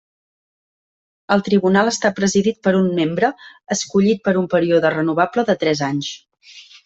El tribunal està presidit per un membre, escollit per un període renovable de tres anys.